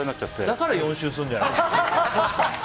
だから４周するんじゃないですか。